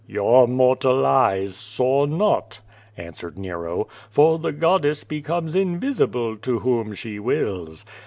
"Your mortal eyes saw not," answered Nero, "for the god dess becomes invisible to whom she wills.